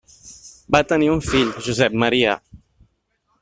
Van tenir un fill, Josep Maria.